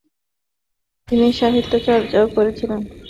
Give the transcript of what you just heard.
তিনি সাহিত্য চর্চাও করেছিলেন।